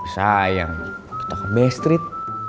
sayang kita ke b street